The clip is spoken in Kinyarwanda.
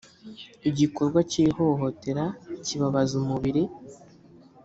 igikorwa cy ihohotera kibabaza umubiri